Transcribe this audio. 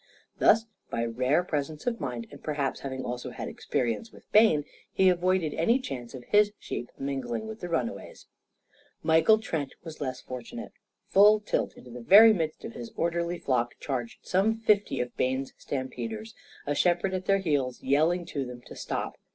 Thus, by rare presence of mind and perhaps having also had experience with Bayne he avoided any chance of his sheep mingling with the runaways. Michael Trent was less fortunate. Full tilt into the very midst of his orderly flock charged some fifty of Bayne's stampeders, a shepherd at their heels yelling to them to stop.